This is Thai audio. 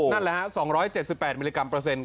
นั่นแหละฮะ๒๗๘มิลลิกรัมเปอร์เซ็นต